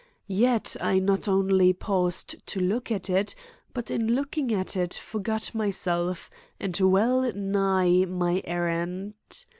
Yet I not only paused to look at it, but in looking at it forgot myself and well nigh my errand.